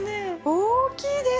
大きいです！